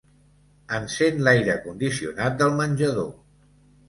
Encén l'aire condicionat del menjador.